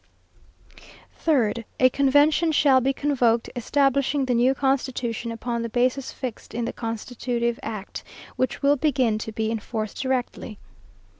3rd. "A convention shall be convoked, establishing the new constitution, upon the basis fixed in the Constitutive Act, which will begin to be in force directly.